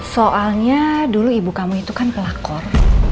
soalnya dulu ibu kamu itu kan pelakor